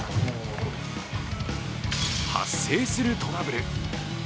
発生するトラブル。